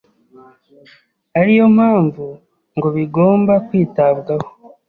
ari yo mpamvu ngo bigomba kwitabwaho.